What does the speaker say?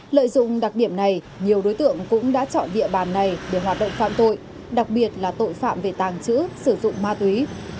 lợi dụng đặc điểm này nhiều đối tượng cũng đã chọn địa bàn này để hoạt động phạm tội đặc biệt là tội phạm về tàng trữ sử dụng ma túy